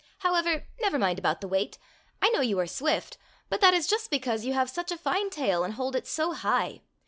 However, never mind about the weight. I know you are swift, but that is just because you have such a fine tail and hold it so high.